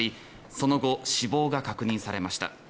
その後死亡が確認されました。